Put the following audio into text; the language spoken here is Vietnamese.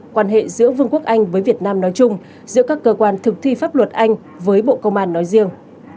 quan hệ giữa vương quốc anh với việt nam nói chung giữa các cơ quan thực thi pháp luật anh với bộ công an nói riêng